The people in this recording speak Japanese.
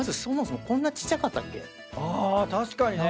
確かにね。